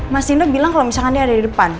mas nino bilang kalo misalkan dia ada di depan